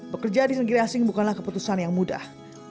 bekerja di negeri asing bukanlah keputusan yang mudah